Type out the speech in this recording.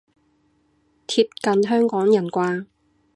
貼近香港人啩